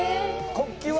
国旗は？